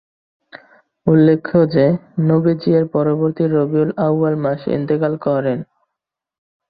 উল্লেখ্য যে, নবীজী এর পরবর্তী রবীউল আও‘য়াল মাসে ইন্তেকাল করেন।